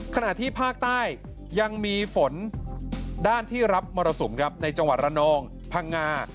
ขณะที่ภาคใต้ยังมีฝนด้านที่รับมรสุมครับในจังหวัดระนองพังงา